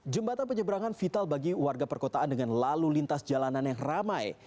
jembatan penyeberangan vital bagi warga perkotaan dengan lalu lintas jalanan yang ramai